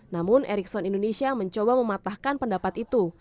namun erickson indonesia mencoba mematahkan pendapat itu